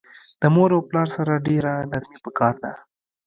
د مور او پلار سره ډیره نرمی پکار ده